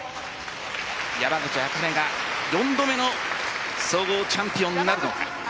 山口茜が４度目の総合チャンピオンになるのか。